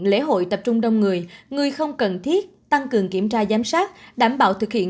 lễ hội tập trung đông người người không cần thiết tăng cường kiểm tra giám sát đảm bảo thực hiện